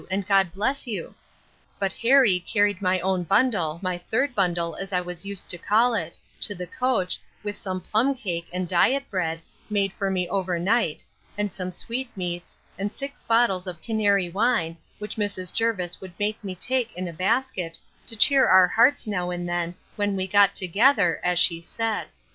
and God bless you! But Harry carried my own bundle, my third bundle, as I was used to call it, to the coach, with some plumb cake, and diet bread, made for me over night, and some sweet meats, and six bottles of Canary wine, which Mrs. Jervis would make me take in a basket, to cheer our hearts now and then, when we got together, as she said.